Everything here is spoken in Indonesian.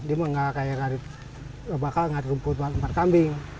dia mah gak kayak bakal ngarit rumput di tempat kambing